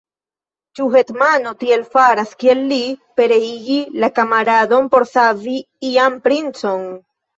Ĉu hetmano tiel faras, kiel li: pereigi la kamaradon por savi ian princon?